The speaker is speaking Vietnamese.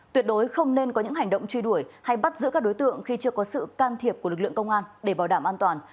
tuyệt đối không nên có những hành động truy đuổi hay bắt giữ các đối tượng khi chưa có sự can thiệp của lực lượng công an để bảo đảm an toàn